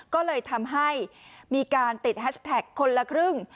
ก็เลยทำให้มีการติดแฮชแท็กคนละครึ่ง